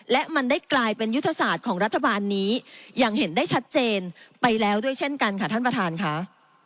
และมันได้กลายเป็นยุทธศาสตร์ของรัฐบาลนี้อย่างเห็นได้ชัดเจนไปแล้วด้วยเช่นกันค่ะท่านประธานค่ะ